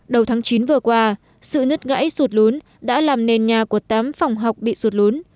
đầu tháng chín vừa qua sự nứt gãy sụt lún đã làm nền nhà của tám phòng học bị sụt lún